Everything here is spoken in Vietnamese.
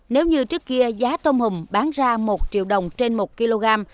nếu như trước kia giá tôm hùm bán ra một triệu đồng trên một kg